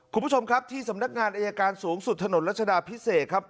คุณผู้ชมครับที่สำนักงานอายการสูงสุดถนนรัชดาพิเศษครับ